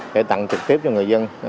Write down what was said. để tặng trực tiếp cho người dân